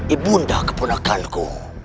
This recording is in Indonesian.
ibu nda keponakanku